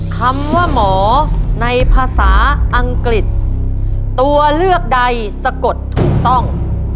คำว่าหมอในภาษาอังกฤษตัวเลือกใดสะกดถูกต้อง